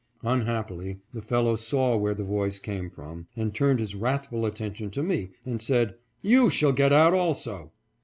Unhappily, the fel low saw where the voice came from, and turned his wrathful attention to me, and said, " You shall get out also